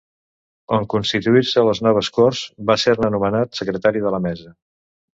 En constituir-se les noves Corts va ser-ne nomenat secretari de la Mesa.